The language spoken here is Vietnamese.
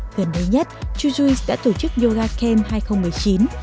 gần đây nhất chujuice đã tổ chức yoga cam hai nghìn một mươi chín